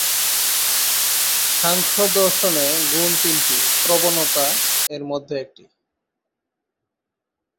সাংখ্য দর্শনে, গুণ তিনটি "প্রবণতা" এর মধ্যে একটি।